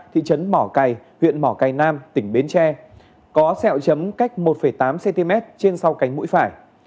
thị trấn mỏ cày huyện mỏ cầy nam tỉnh bến tre có sẹo chấm cách một tám cm trên sau cánh mũi phải